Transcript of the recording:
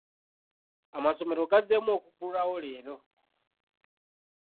Amasomero gazzeemu okuggulwawo leero.